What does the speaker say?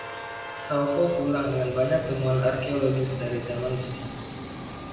Sauvo pulang dengan banyak temuan arkeologis dari Zaman Besi.